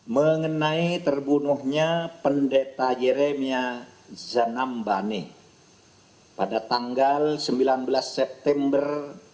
mengenai terbunuhnya pendeta yeremia zanambane pada tanggal sembilan belas september dua ribu dua puluh